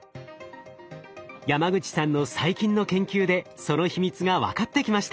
山口さんの最近の研究でその秘密が分かってきました。